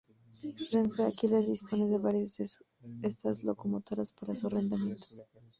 Renfe Alquiler dispone de varias de estas locomotoras para su arrendamiento.